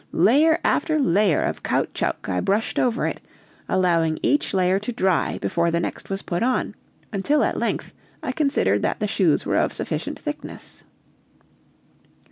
Layer after layer of caoutchouc I brushed over it, allowing each layer to dry before the next was put on, until at length I considered that the shoes were of sufficient thickness.